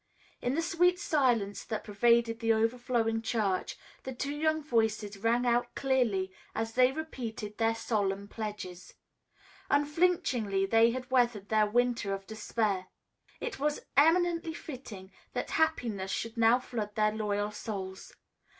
In the sweet silence that pervaded the overflowing church, the two young voices rang out clearly as they repeated their solemn pledges. Unflinchingly they had weathered their winter of despair. It was eminently fitting that happiness should now flood their loyal souls.